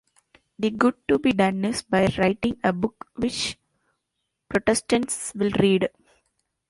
The good to be done is by writing a book which Protestants will read.